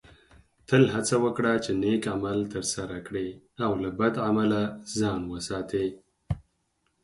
تل هڅه وکړه چې نیک عمل ترسره کړې او له بد عمله ځان وساتې